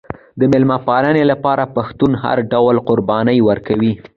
د میلمه پالنې لپاره پښتون هر ډول قرباني ورکوي.